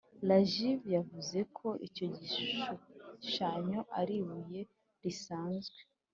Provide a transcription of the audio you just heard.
Rajiv yavuze ko icyo gishushanyo ari ibuye risanzwe